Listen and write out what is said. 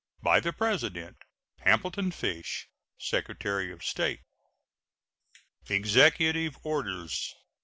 By the President: HAMILTON FISH, Secretary of State. EXECUTIVE ORDERS.